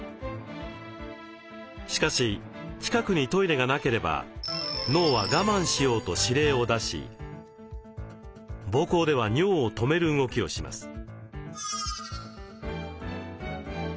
しかし近くにトイレがなければ脳は我慢しようと指令を出し膀胱では尿を止める動きをします。